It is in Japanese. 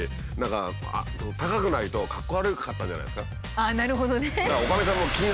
ああなるほどね。